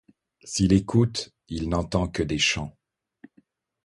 S'il écoute, il n'entend que des chants.